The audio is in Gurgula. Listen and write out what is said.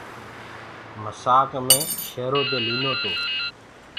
موسآڪ مي شيرو دي لينو تو۔